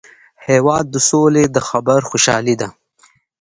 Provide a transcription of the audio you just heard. هېواد د سولي د خبر خوشالي ده.